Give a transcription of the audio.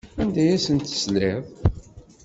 Anda ay asent-tesliḍ?